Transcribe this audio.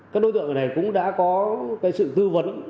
các đối tượng này cũng đã có sự tư vấn